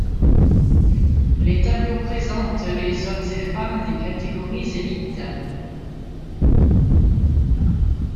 Les tableaux présentent le hommes et femmes des catégories élites.